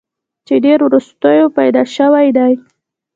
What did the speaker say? چې ډېر وروستو پېدا شوی دی